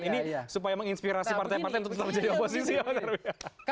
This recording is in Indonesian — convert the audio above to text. ini supaya menginspirasi partai partai untuk tetap menjadi oposisi ya pak tarwiyah